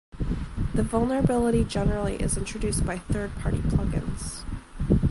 The vulnerability generally is introduced by third party plugins.